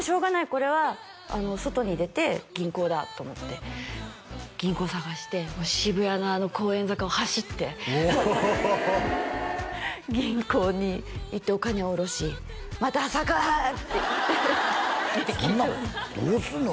これは外に出て銀行だと思って銀行探して渋谷のあの公園坂を走っておお銀行に行ってお金をおろしまた坂ハーッて行って劇場にそんなんどうするの？